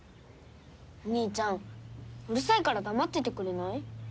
お兄ちゃんうるさいから黙っててくれない？